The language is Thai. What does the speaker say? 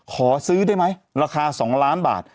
ขอซื้อได้ไหมราคา๒ล้านบาท